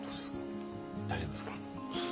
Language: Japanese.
大丈夫ですか？